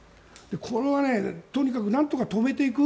これはとにかくなんとか止めていく。